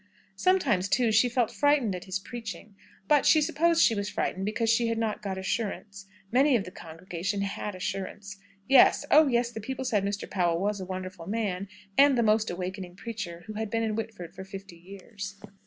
Sometimes, too, she felt frightened at his preaching, but she supposed she was frightened because she had not got assurance. Many of the congregation had assurance. Yes; oh yes, the people said Mr. Powell was a wonderful man, and the most awakening preacher who had been in Whitford for fifty years.